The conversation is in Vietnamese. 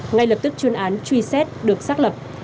ngay lập tức chuyên án truy xét được xác lập